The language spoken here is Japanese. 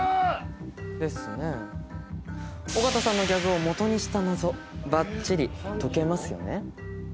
ですね尾形さんのギャグをもとにした謎バッチリ解けますよね？